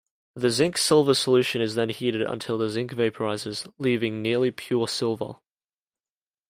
The zinc-silver solution is then heated until the zinc vaporizes, leaving nearly pure silver.